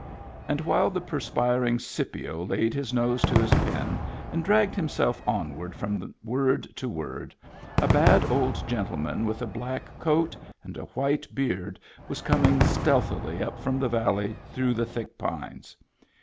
And while the perspiring Scipio laid his nose to his pen and dragged himself onward from word to word, a bad old gentleman with a black coat and a white beard was coming stealthily up from the valley through the thick pines.